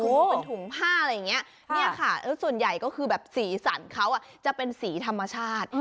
เป็นถุงผ้าอะไรอย่างนี้ส่วนใหญ่ก็คือสีสันเขาจะเป็นสีธรรมชาติ